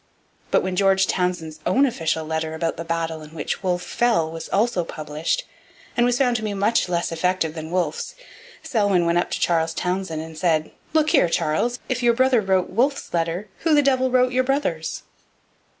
But when George Townshend's own official letter about the battle in which Wolfe fell was also published, and was found to be much less effective than Wolfe's, Selwyn went up to Charles Townshend and said: 'Look here, Charles, if your brother wrote Wolfe's letter, who the devil wrote your brother's?'